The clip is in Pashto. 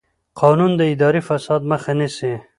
قانون د اداري فساد مخه نیسي.